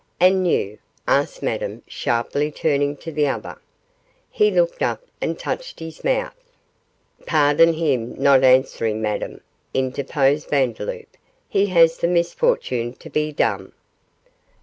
'And you?' asked Madame, sharply turning to the other. He looked up and touched his mouth. 'Pardon him not answering, Madame,' interposed Vandeloup, 'he has the misfortune to be dumb.